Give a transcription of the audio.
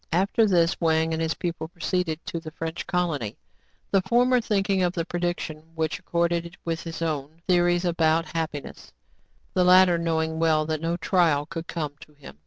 After this, Wang and his pupil proceeded to the French colony, — the former thinking of the predic tion, which accorded with his own theories about happiness ; the latter knowing well that no trial could come to him.